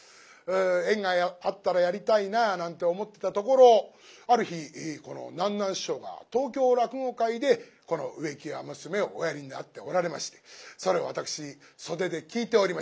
縁があったらやりたいななんて思ってたところある日この南なん師匠が「東京落語会」でこの「植木屋娘」をおやりになっておられましてそれを私袖で聴いておりました。